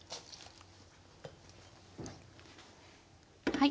はい。